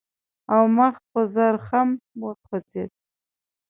او مخ په زرخم وخوځېد.